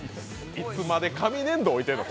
いつまで紙粘土、置いてんの？